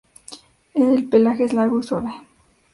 El pelaje es largo y suave.